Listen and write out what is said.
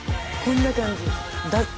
こんな感じ。